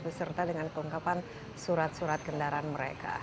beserta dengan kelengkapan surat surat kendaraan mereka